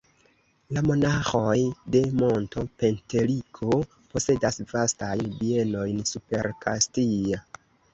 La monaĥoj de monto Penteliko posedas vastajn bienojn super Kastia.